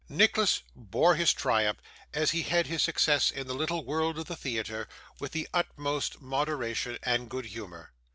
Nicholas bore his triumph, as he had his success in the little world of the theatre, with the utmost moderation and good humour.